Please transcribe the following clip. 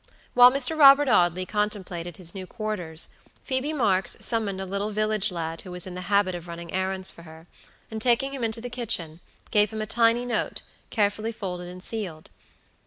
While Mr. Robert Audley contemplated his new quarters, Phoebe Marks summoned a little village lad who was in the habit of running errands for her, and taking him into the kitchen, gave him a tiny note, carefully folded and sealed.